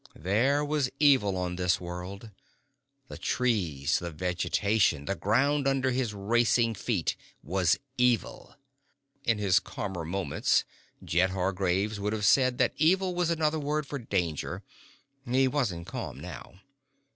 There was evil on this world. The trees, the vegetation, the ground under his racing feet, was evil. In his calmer moments Jed Hargraves would have said that evil was another word for danger. He wasn't calm now.